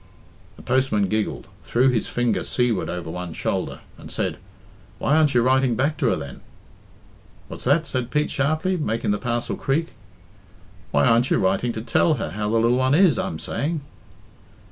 The postman giggled, threw his finger seaward over one shoulder, and said, "Why aren't you writing back to her, then?" "What's that?" said Pete sharply, making the parcel creak. "Why aren't you writing to tell her how the lil one is, I'm saying?"